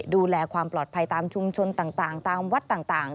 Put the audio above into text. ดูแลความปลอดภัยตามชุมชนต่างตามวัดต่าง